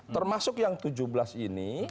termasuk yang tujuh belas ini